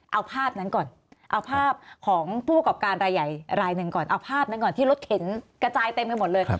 เอาภาพนั้นก่อนเอาภาพของผู้ประกอบการรายใหญ่รายหนึ่งก่อนเอาภาพนั้นก่อนที่รถเข็นกระจายเต็มกันหมดเลย